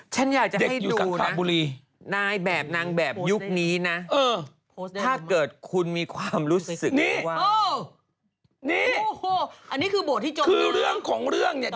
ฉันอยากจะให้อยู่สังสระบุรีนายแบบนางแบบยุคนี้นะถ้าเกิดคุณมีความรู้สึกว่านี่โอ้โหอันนี้คือเรื่องของเรื่องเนี่ย